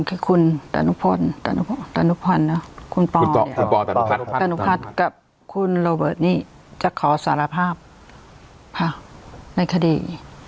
คือคุณตานุพลตานุพรตานุพัทกับคุณโรเบิร์ทจะขอสารภาพในคดี